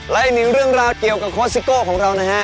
และอีกหนึ่งเรื่องราวเกี่ยวกับโค้ซิโก้ของเรานะฮะ